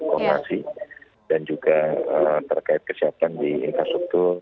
koordinasi dan juga terkait kesiapan di infrastruktur